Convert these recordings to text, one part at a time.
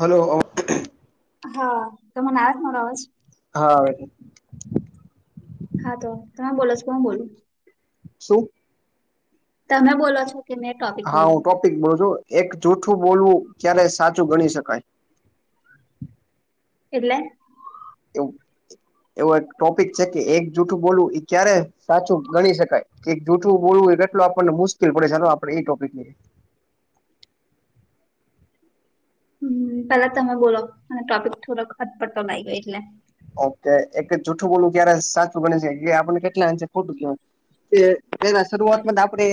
Hello હા તમને આવે છે મારો અવાજ હા. હા તો તમે બોલોસો કે હુ બોલુ. શું? તમે બોલો છો? કે મેં- ટોપિક હા હું બોલવું ટોપિક બોલું છું એક જૂઠું બોલવું ક્યારે સાચું ગણી શકાય. એટલે? એવું [unintelligible] એવો એક ટોપિક છે કે એક જૂઠું બોલવું એ ક્યારે સાચું ગણી શકાય. કે જૂઠવું બોલવું એ કેટલો આપણને મુશ્કેલ પડે છે ચાલો આપણે એ ટોપિક લઈએ. હમ પેલા તમે બોલો અને ટોપિક થોડોક અટપટો લાઈગો એટલે ઓકે એક જુઠ્ઠું બોલવું ક્યારે સાચું બને છે કે આપણને કેટલા અંશે ખોટું કવાય ના શરૂઆતમાં તો આપડે.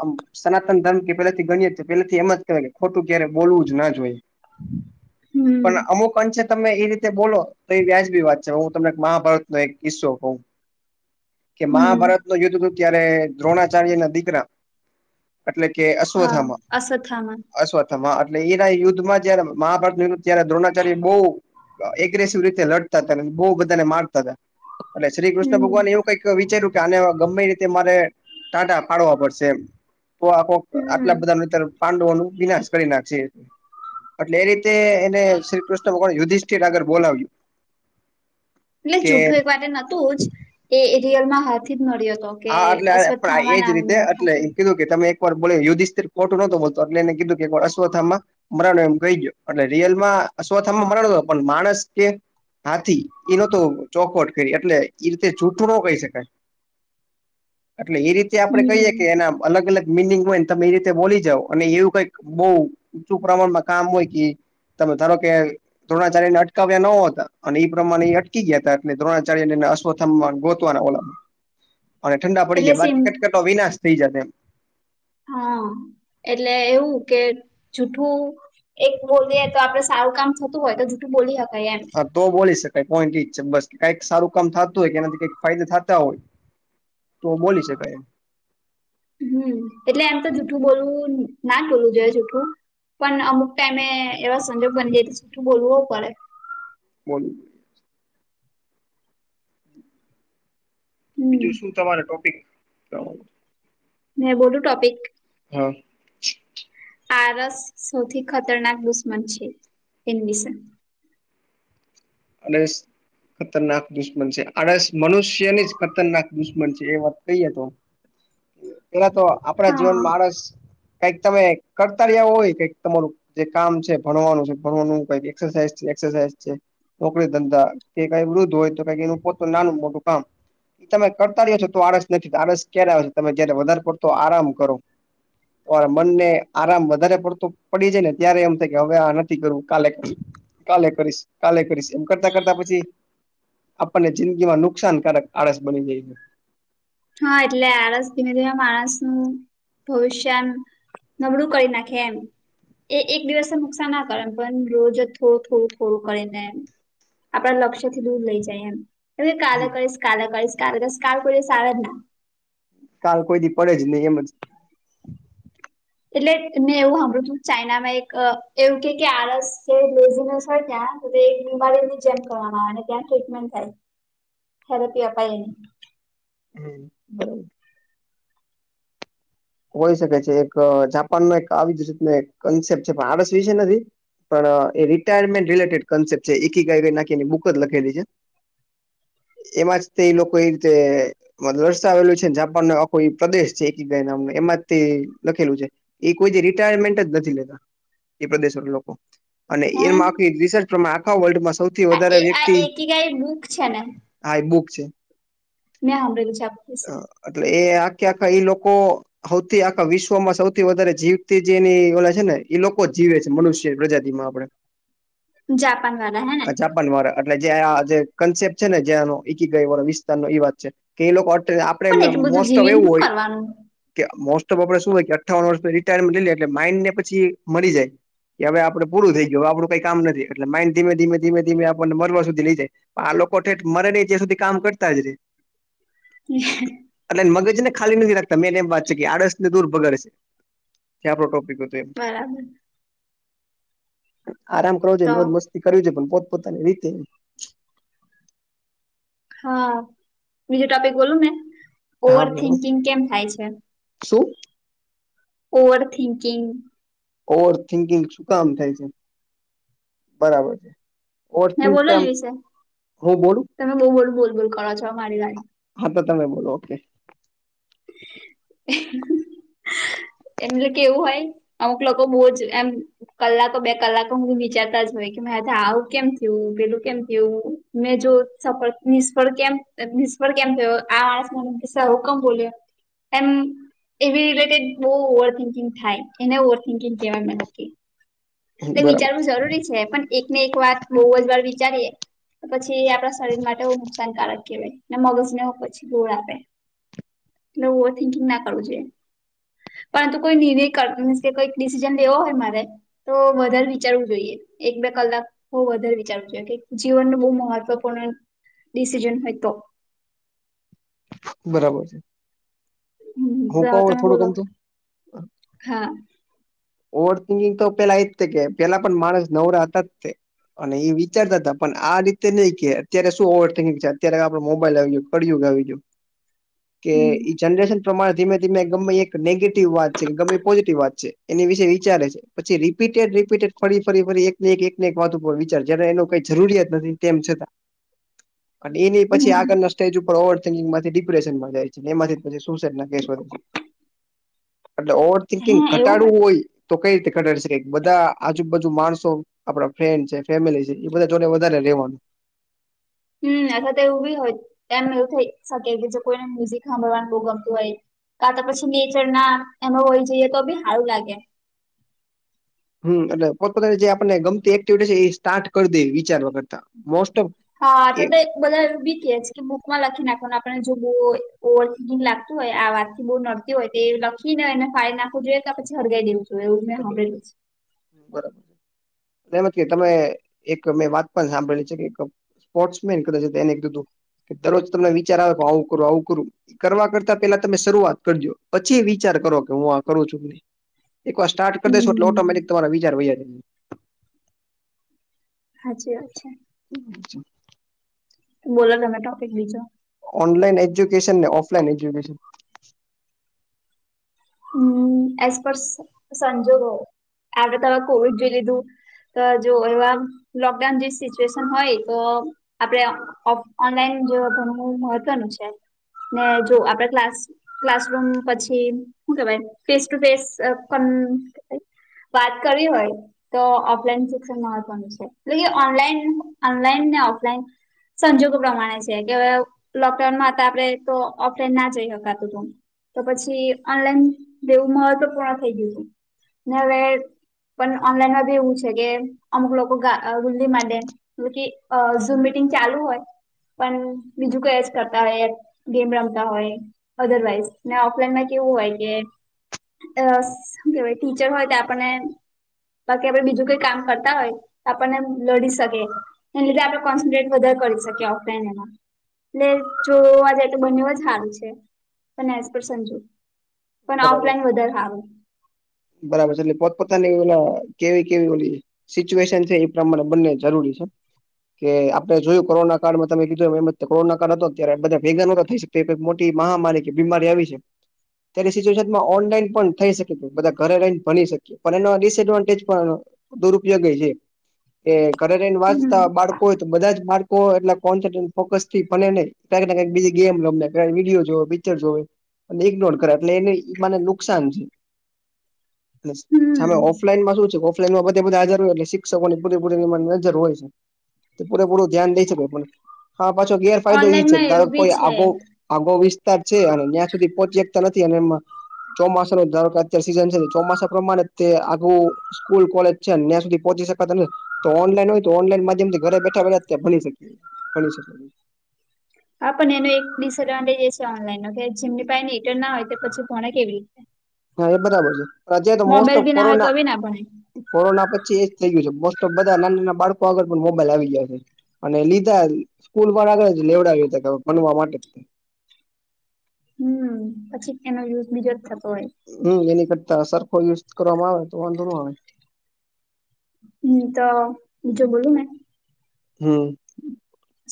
આમ સનાતન ધર્મ કે પેલાથી ગણી છે પેલાથી એમ જ કહેવાય ખોટું ક્યારે બોલવું જ ના જોઈએ. [inaudible] પણ અમુક અંશે તમે એ રીતે બોલો તો એ વ્યાજ એવી વાત છે હું તમને એક મહાભારતનો એક કિસ્સો કહું કે હમ મહાભારત તો યુદ્ધ હતું ત્યારે દ્રોણાચાર્ય ના દીકરા એટલે કે હા અશ્વથામાં અશ્વત્થામા અશ્વથ એટલે એના યુદ્ધમાં જયારે મહાભારતનું યુદ્ધ ત્યારે દ્રોણાચાર્ય બહુ એગ્રેસિવ રીતે લડતા હતા અને બહુ બધા ને મારતા હતા એટલે શ્રી કૃષ્ણ હમ ભગવાન એવું કઈક વિચાર્યું કે આ ગમે રીતે મારે ટાંટા ફડવા પડશે એમ તો આખો આટલા હમ બધા ન અતર પાંડવો નો વિનાશ કરી નાખશે એટલે એ રીતે એને શ્રી કૃષ્ણ ભગવા યુધિષઠિર આગળ બોલાવ્યું એટલે કે જૂઠું એક વાર નોતું જ એ રિયલ માં હાથ જ મળ્યો હતો કે હા એટલે અશ્વત્થામા એજ રીતે નામનો એટલે હાથી એ કીધું કે તમે એકવાર બોલાય યુધિષ્ઠિર ખોટું ના તો બોલતો એટલે એ કીધું કે એક અસ્વથામાં મરાનું એમ કહી ગયો એટલે રિયલમાં અસ્વથામાં મરાનો નો હતો પણ માણસ કે હાથી એનો તો ચોખવટ કરી એટલે એ રીતે જૂઠું ન કહી શકાય એટલે એ રીતે આપડે કહીએ હમ કે એના અલગ અલગ મિનિંગ હોય ને તમે એ રીતે બોલી જઓ અને એવું કઈક બહ ચું પ્રમાણમાં કામ હોય કે તમે ધારો કે દ્રોણાચાર્ય ને અટકાવ્યા ન હતા અને એ પ્રમાણે એ અટકી ગયા હતા એટ દ્રોણાચાર્ય ને અસ્થ ગોતવાના ઓલા અને ઠંડા પડી એટલે જાય સિમ બાકી કટકટો વિનાશ થઈ જાતે એમ હા એટલે એવું કે જૂઠું એક બોલીએ તો આપડે સારું કામ થતું હોય તો જૂઠું બોલી હકાય એમ હા તો બોલી શકાય પોઈન્ટ ઈજ છે બસ કઈક સારું કામ થતું હોય કે એનાથી કઈક ફાયદા થતા હોય તો બોલી શકાય એમ હમ્મ એટલે એમ તો જુઠું બોલવું ના બોલું જોઈએ જુઠું પણ અમુક ટાઈમે એવા સંજોગ બની જાય તો જૂઠું બોલવો પડે બોલો હમ બીજું શું તમારે ટોપિક ક મે બોલું ટોપિક હા આરસ સૌથી ખતરનાક દુશ્મન છે એની વિશે આળશ ખતરનાક દુશ્મન છે આડસ મનુષ્યની જ ખતરનાક દુશ્મન છે એ વાત કહીએ તો [inaudible] પેલા તો આપણા હા જીવનમાં માણસ કઈક તમે કરતા રહ્યા હોય કક તમારું જે કામ છે ભણવાનું છે ભણવાનું કઈ એક્સરસાઈઝ એક્સરસાઈઝ છે નોકરી ધંધા કે ક વૃદ્ધ હોય તો ક એનું પોત નાનું મોટું કામ તમે કરતા રહ્યો છો તો આળસ નથી આળસ ક્યારે આવે છે તમે જયારે વધારે પડતો આરામ કરો તમારે મનને આરામ વધારે પડતો પડી જાય ને ત્યારે એમ થાય કે હવે આ નથી કરવું કાલે કરું કાલે કરીશ કાલે કરીશ એમ કરતા કરતા પછી આપણને જિંદગી માં નુકસાનકારક આળસ બની જાય છે હા એટલે આળસ ધીમે ધીમે માણસનું ભવિષ્યન નબળું કરી નાખે એમ એ એક દિવસ નુકસાન ના કરે એમ પણ રોજ થોડું થોડું થોડું કરીને એમ આપડા લક્ષ્ય થી દૂર લઈ જાય એમ હ કાલે છે કરીશ કાલે કરીશ કાલે કરીશ કાલ કોઈ દિવસ આવે ના કાલ કોઈ દી પડે જ નહી એમ જ એટલે મે એવું હાભળ્યું તુ ચાઈના માં એક એવું કે કે આળસ [unintelligible] એક બીમારી ની જેમ કરવાવામાં આવે અને ક્યાં ટ્રીટમેન્ટ થાય થેરાપી અપાય એની [unintelligible] હોઈ શકે છે એક જાપાન મા એક આવી જ રીત કન્સેપ્ટ છે પણ આડસ વિશે નથી પણ એ રિટાયરમેન્ટ રિલેટેડ કોન્સેપ્ટ છે એક [unintelligible] બુક જ લખેલી છે. એમાં જ તે એ લોકો એ રીતે મદરસે આવેલું છે ને જાપાન આ કો પ્રદેશ છે [unintelligible] નામ નહી એમાં તે લખેલું છે એ કોઈ દિ રિટાયરમેન્ટ જ નથી લેતા એ પ્રદેશો લોકો અને હમ એમાં આખી રિસર્ચ પ્રમાણે આખા વર્લ્ડમાં સૌ આ એ આ એકી ગાય બૂક છે ને હા એ બુક છે. [unintelligible] આપશે આ તો એ આખે આખા એ લોકો હૌથી આખા વિશ્વમાં સૌથી વધારે જીવતી જેની ઓલા છે ને એ લોકો જીવે છે મનુષ્ય પ્રજાતિ માં આપડે જાપાન વાળા હેને ન વાળા એટલે જે આ જે કન્સેપ છે ને જયાનો [unintelligible] ન એ વાત છે કે એ લોકો એટલું [unintelligible] બધું મોસ્ટ ઓફ જીવીને એવું શું હોય પણ [unintelligible] કે મોસ્ટ ઓફ આપડે શું હોય કે અઠ્ઠાવન વર્ષ રિટાયરમેન્ટ લઈએ એલે માઇન્ડને પછી મળી જાય કે હવે આપણે પૂરું થઈ ગયું આપડું કઈ કામ નથી એટલે માઇન્ડ ધીમે ધીમે ધીમે ધીમે આપણને મરવા સુધી લઈ જાય. આ લોકો ઠેઠ મરે નહી ત્યાં સુધી કામ કરતા જ રે [inaudible] [unintelligible] એટલે મગજ ને ખાલી નથી રાખતા મેન એમ વાત છે કે આડસ ને દૂર બગાડશે આપડો ટોપિક હતો. બરાબર આરામ કરોજો તો મોજ મસ્ત કર્યું છે પણ પોત પોતાની રીતે હા બીજું ટોપિક બોલું મે હા ઓવર બોલો થિંકિંગ કેમ થાય છે? શું? ઓવર થિંકિંગ ઓવર થિંકિંગ શું કામ થાય છે બરાબર મે ઓર્થિંગ બોલો પે એ આમ વિશે હું બોલું તમે બહુ બઉ બોલ બોલ કરો છો મારી વારી હા તો તમે બોલો ઓકે [unintelligible] એમ લે કે એવું હોય અમુક લોકો બહુ જ એમ કલાકો બે કલાકો હું વિચારતા જ હોય કે મેં આવું કેમ થયું પેલું કેમ થયું? મેં જો સફળ નિષ્ફળ કેમ નિષ્ફળ કેમ થયો આસ [inaudible] હુકમ બોલ્યો એમ એવી રિલેટેડ બહુ ઓવર થિંકિંગ થાય એને ઓવર થિન્કિંગ કેવાય મેં એટલે બરાબર વિચારવું જરૂરી છે પણ એકને એક વાત બહુ જ વાર વિચારીએ પછી આપણા શરીર માટે બઉ નુકસાનકારક કહેવાય મગજ ને પછી ગોળ આપે એટલે ઓવર થિંકિંગ ના કરું જોઈએ. પરંતુ કોઈ નિર્ક કામ કોઈક ડિસિઝન લેવો હોય મારે તો વધારે વિચારવું જોઈએ. એક બે કલાક હું વધારે વિચારું છું કે જીવનનું બહુ મહત્વપૂર્ણ ડીસીઝન હોય તો. બરાબર છે. હમ્મ હું બરાર કઉ તમે થોડુંક બોલો આમ તો હા. ઓવર થિંકિંગ તો પેલા એજ કે પેલા પણ માણસ નવરા હતાત તે. અને એ વિચારતા હતા પણ આ રીતે નઈ કે અત્યારે શું ઓવરન્કિંગ છે અત્યારે આપડે મોબાઈલ આવયો પડયોગ આવીજું [inaudible] કે હમ ઈ જનરેશન પ્રમાણે ધીમે ધીમે ગમે એક નેગેટિવ વાત છે કે ગમે એ પોઝિટિવ વાત છે. એની વિશે વિચારે છે. પછી રીપીટેડ રીપીટેડ ફરી ફરી ફરી એક ને એક ને એક વાત ઉપર વિચાર જને એનો કઈ જરૂરિયાત નથી તેમ છતાં [inaudible] અને એની પછી હમ આગળના સ્ટેજ ઉપર ઓવર થિંકિંગ માંથી ડિપ્રેશનમાં જાય છે એમાંથી પછી સુસાઈડ ના કેસ વધે છે. ઓ [unintelligible] એટલે ઓવર થિંકિંગ ઘટ હોય તો કઈ રીતે ઘટાડ બધા આજુબાજુ માણસો આપડા ફ્રેન્ડ છે ફેમિલી છે એ બધા જોડે વધારે રહેવાનું. હમ્મ, અથવા તો એવું બી હોય એમ એવું થઈ શકે કે જો કોઈને મ્યુઝિક સાંભળવાનું બહુ ગમતું હોય. કા તા પછી નીચર ના એનો હોય જઈએ તો બી હારું લાગે. હમ્મ એટલે પોતપતાની જે આપને ગમતી એક્ટિવિટી છે એ સ્ટાર્ટ કરી દે વિચારવા કરતા. મોસ્ટ ઓફ હા તો એ તે બધા એવ બી કે કે મુખ માં લખી નાખવાનું આપને જો બોગ ઓવરડિંગ લાગતું હોય આ વાત થી બહુ નળ કેયુ હોય તો એ લખીને ને એને ફાડી નાખવું જોઈએ કે પછી હળગાવી દેવું જોઈએ એવું મેં હાંભળેલું છે. હમ્મ બરાબર છે. ધારો કે તમે એક મેં વાત પણ સાંભળેલી છે કે કપ સ્પોર્ટ્સ મેન કા છે એને કીધું કે દરરોજ તમને વિચાર આવે પણ આવું કરું આવું કરું કરવા કરતા પેલા તમે શરૂઆત કરજો પછી વિચાર કરો કે હું આ કરું છું કે નહી. સ્ટાર કર દેશો એટ હમ્મ ઓટોમેટિક તમારા વિચાર વૈયા જે. હાચે હાચે. હું ચુ. બોલો તમે ટોપિકંગ બીજો. ઓનલાઈન એજ્યુકેશન ને ઓફલાઈન એજ્યુકેશન. હમ્મ એસ પર સંજોગો આગાડ તારો કોવિડ જોઈ લીધું. તો જો એવા લોકડાઉન જે સિચ્યુએશન હોય તો આપડે ઓફ ઓનલાઈન જોવા ભણું મહત્વનું છે. ને જો આપડે ક્લાસ ક્લાસરૂમ પછી શું કેવાય ફેસ ટુ ફેસ અહ કન વાત કરવી હોય તો ઓફલાઈન શિક્ષણ મહત્વનું છે એટલે કે ઓનલાઈન ઓનલાઈન ને ઓફલાઈન સંજોગો પ્રમાણે છે કે હવે લોકડાઉનમાં હતા આપડે તો ઓફલાઈન ના જઈ શકાતું તું તો પછી ઓનલાઈન જેવું મહત્વ પૂર્ણ થઈ ગયું હતું હવે પણ ઓનલાઈનમાં બી એવું છે કે અમુક લોકો ગ-ગુલ્લી માંડે યુ કે અહ ઝૂમ મિટિંગ ચાલુ હોય પણ બીજું કઈ જ કરતા હોય ગેમ રમતા હોય અદરવાઈઝ ને ઓફલાઈનમાં કેવું હોય કે અ કેવાય ટીચર હોય તો આપણને બાકી આપડે બીજું કઈ કામ કરતા હોય, તો આપણને લડી શકી. એ લીધે આપણે કોન્સન્ટ્રેટ વધારે કરી શકીએ ઓફલાઈન એમાં. એટલે જોવા જે તો બંને જ હાર છે, પણ એઝ પર સંજુ. પણ બરાબર ઓફલાઈન બધર હારુ. બરાબર છે એટલે પોતપોતા ની કેવી કેવી ઓળી. સિચ્યુએશન છે એ પ્રમાણે બંને જરૂરી છે. કે આપડણે જોયું કોરોના કાળમાં તમે કીધું એ કોરોના કા હતો અત્યારે બધા ભેગા નોતા થઈ શ મોટી મહામારી કે બીમારી આવી છે, તે સચુએશનમાં ઓનલાઈન પણ થઈ શકે. બધા ઘરે રહીને ભણી શકીએ, પણ એનો ડિસએડવાન્ટેજ પણ દુરુપયોગી છે. કે ઘરે રને હમ વાંચતા બાળકો હોય તો બધા જ બાળકો એટ કો ફોકસ થી ભને નહી. કઈક કઈ બી ગેમને વિડીયો જો હોય પિક્ચરસ હોવે. અને ઈગ્નોર કરે એટલે એને મને નુકસાન છે. નમ [unintelligible] સામે હમ ઓફલાઈનમાંું છે ઓફલાઈનમાંધા બધા હજર હોય એટલેિક્ષકોની પૂરી પૂરી નજર હોય છે. તે પૂરેપૂરું ધ્યાન દઈ શકેય, પણ હા પાછો ગેરફાયદો એ છે ઓનલાઈનમાં ધ એવું બી કોઈ છે. આગો આગો વિસ્તાર છે અને ત્યાં સુધી પહોંચી શકતા નથી અને એમાં, ચોમાસા ન ધાર સીઝન છે ચોમાસા પ્રમાણે તે આું સ્કૂલ કોલેજ છે ત્યાં સુધી પહોચી શકને. તો ઓનલાઈન હોય તો ઓનલાઈન માધ્યમથી ઘરે બેઠા અ્યા ભણી શકીએ ભ શકે. હા પણ એનો એક ડિસએડવાન્ટેજ એ છે ઓનલાઈન ન કે જેમની પાસે ને રીટર્ન ના હોય તો પછી ભોણા કેવી રીતે. હા એ બરાબર છે અત તો મોસ્ટ મોબાઈલ ઓફ બી ના હોય તો કોરોના. બી ના ભણે કોરોના પછી એજ થઈ ગય છે મોસ્ટ ઓફ બધા નાના નાના બાળકો આગળ પણ મોબાઈલ આવી ગયા છે. અને લીધા સ્કૂલ આગળ લેવડાવ ભણવા માટે. હમ. પછી એનો યુઝ બીજે જ થતો હોય. હું એની કરતા સરખો યુઝ કરવામાં આવે તો વાંધો નો આવે. હુંતો જો બોલુંને. હું.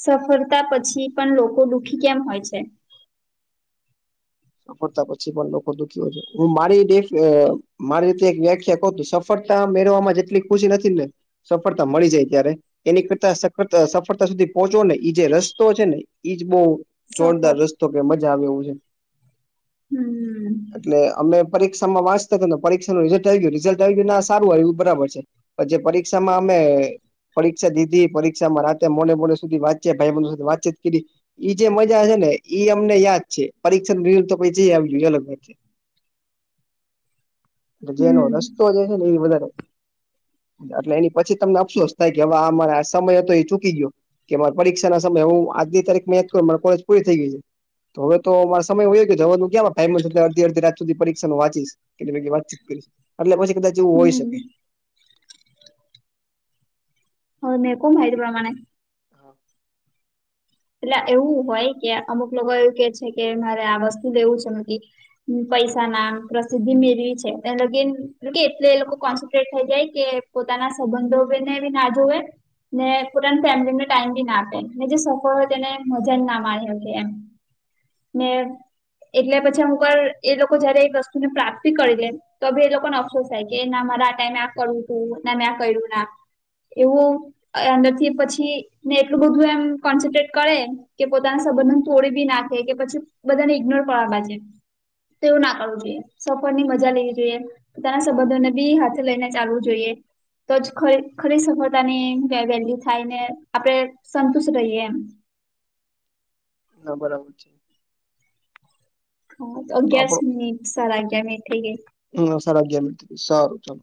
સફળતા પછી પણ લોકો દુઃખી કેમ હોય છે. સફળતા પછી પણ લોકો દુઃખી છે. હું મારી મારી રીતે એક વ્યાખ્યા કહુંતું સફળતા મેળમાં જેટલી ખુશી થતીને. સફળતા મળી જાય ત્યારે. એની કરતા સફળતા સુધી પહોંચવો ને એજે રસ્તો છે ને એજ બહુ જોરદાર સફળ રસ્તો કે મજા આવે એવું છે. હું. એટલે અમે પરીક્ષામાં વાંચતા ને પરીક્ષાનું રિઝલ્ટ આવી ગયું રિઝલ્ટ આવી ગયું ના સારુંય એવું બરાબર છે. પછી પરીક્ષામાં અમે પરીક્ષા દીધી પરીક્ષામાં રાતે મોડે- મોડે સુધી વાતચીત ભાઈબંધ સાથે વાતચીત કરી. ઈજે મજા છે ને ઈ અમને યાદ છે, પરીક્ષા તો પછી આવી અલગ, જેનો હમ રસ્તા તો જાય છે ને એ બઘા એટલે એની પછી તમને અફસોસ થાય કે હવે અમાર સમય હતો એ ચૂકી ગયો. કે મારા પરીક્ષાના સમય હું આજની તારીખ મેં કરું માં કોલેજ પૂરી થઈ ગઈતી. તો હવેતો મારો સમય વયો ગયો. જવાનું ક્યાં એમાં ટાઈમ જ છે, અત્યારે અડધી અડધી રાત સુધી પરીક્ષાનું વાંચીશ, એટલે મેં કીધુ વાતચીત કરીશ એટલે પછી બધા જેવું હોય હમ શકે. હવે મેં કહું માહિતી પ્રમાણે હા એટલે આ એવું હોય કે અમુક લોકો એવું કે છે, કે મારે આ વસ્તુ લેવું છે [unintelligible] પૈસા, નામ, પ્રસિદ્ધિ મેળવી છે, ત્યાં લગીન એટલે એ લોકો કોન્સન્ટ્રેટ થઈ જાય કે પોતાના સંબંધોબેને બી ના જોવે ને પોતાના ફેમિલીને ટાઈમ બી ના આપે ને જે સ તો તેને મજા જ ના માણી હકીએ એમ ને એટલે પછી અમુક વાર એ લોકો જયારે એક વસ્તુની પ્રાપ્તિ કરી લે તો બી એ લોકોને અફસોસ થાય કે ના મારે આ ટાઈમે આ કરવુ તું ને મેં આ કર્યું ના એવું અંદરથી પછીને એટલું બધું એમ કોન્સન્ટ્રેટ કરે કે પોતાના સંબંધને તોડી બી નાખે કે પછી બધાને ઈગ્નોર કરવા બાજે. તેવુંના કરવું જોઈએ, સફરની મજા લેવી જોઈએ. પોતાના સંબંધોને બી હાથે લઈને ચાલવું જોઈએ. તો જ ખરી ખરી સફળતાની વે વેલ્યુ થાય ને આપડે સંતુષ્ટ રહીએ એમ. ના બરાબર છે. હુ તો અગિયાર મિનિટ, સાડા અગિયાર મિનિટ થઈ ગઈ. ના સાડા અગિયાર સારું ચાલો.